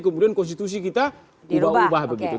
kemudian konstitusi kita diubah ubah begitu